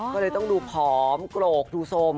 ก็เลยต้องดูผอมโกรกดูสม